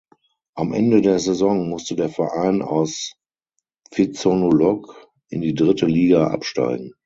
Am Ende der Saison musste der Verein aus Phitsanulok in die dritte Liga absteigen.